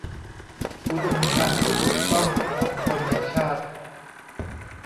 อุดมการณ์ที่ถูกต้องของคนในชาติ